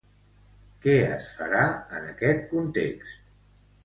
Què es farà en aquest context?